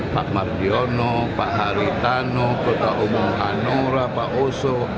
pak mardiono pak haritano kota umum hanora pak oso